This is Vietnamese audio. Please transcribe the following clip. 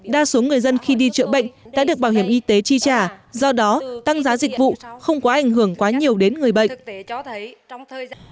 đa số người dân khi đi chữa bệnh đã được bảo hiểm y tế chi trả do đó tăng giá dịch vụ không có ảnh hưởng quá nhiều đến người bệnh